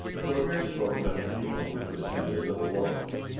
Thorgeir spoke of the evils which would attend a civil war.